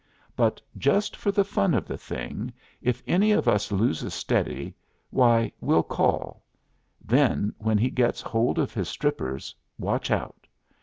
But, just for the fun of the thing, if any of us loses steady, why, we'll call. Then, when he gets hold of his strippers, watch out.